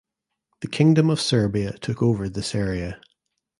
The Kingdom of Serbia took over this area.